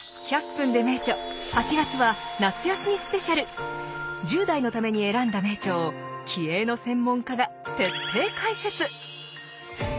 「１００分ｄｅ名著」８月は１０代のために選んだ名著を気鋭の専門家が徹底解説！